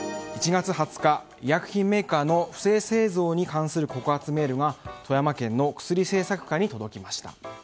１月２０日、医薬品メーカーの不正製造に関する告発メールが富山県のくすり政策課に届きました。